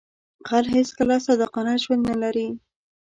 غل هیڅکله صادقانه ژوند نه لري